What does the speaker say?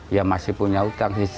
ia masih punya utang nih